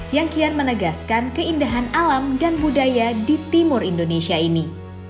yang kian menegaskan keindahan alam dan budaya di timur indonesia ini